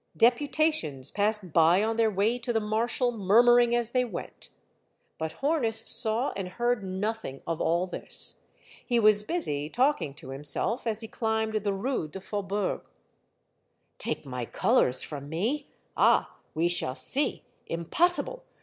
Deputations passed by on their way to the marshal murmuring as they went. But Hornus saw and heard nothing of all this. He was busy talking to himself, as he climbed the Rue du Faubourg. 122 Monday Tales, *^ Take my colors from me ! Ah ! we shall see. Impossible